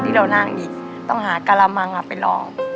ที่เรานั่งอีกต้องหากะละมังไปลอง